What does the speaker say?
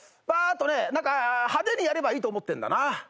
ッとね派手にやればいいと思ってんだな。